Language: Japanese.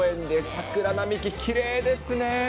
桜並木、きれいですね。